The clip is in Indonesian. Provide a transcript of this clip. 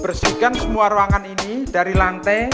bersihkan semua ruangan ini dari lantai